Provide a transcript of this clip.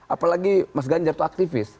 apalagi mas ganjar itu aktivis